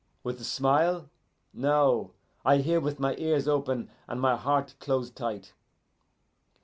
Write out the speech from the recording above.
With a smile? No, I hear with my ears open and my heart close tight.